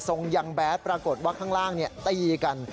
ทรงยังแบดปรากฏว่าข้างล่างเนี่ยตีกัน